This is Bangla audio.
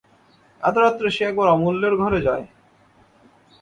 এত রাত্রে সে একবার অমূল্যের ঘরে যায়।